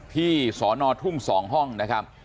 ที่สอนอทุ่ง๒ห้องนะครับ